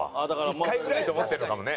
一回ぐらいと思ってるのかもね。